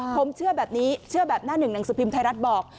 ผมเชื่อแบบนี้เชื่อแบบหน้าหนึ่งหนังสือพิมพ์ไทยรัฐบอก